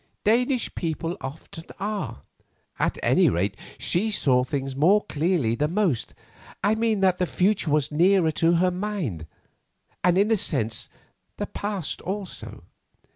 Danish people often are. At any rate, she saw things more clearly than most. I mean that the future was nearer to her mind; and in a sense, the past also."